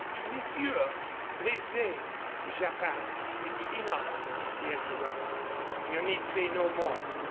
Monsieur, they say " "Jacquard, it is enough," he interrupted. "You need say no more.